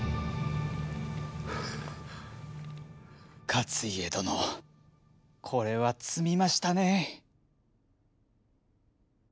勝家殿これは詰みましたね。